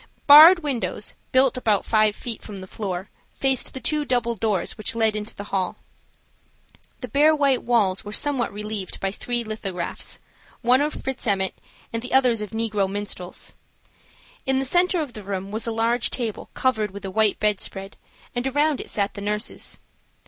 Barred windows, built about five feet from the floor, faced the two double doors which led into the hall. The bare white walls were somewhat relieved by three lithographs, one of Fritz Emmet and the others of negro minstrels. In the center of the room was a large table covered with a white bed spread, and around it sat the nurses.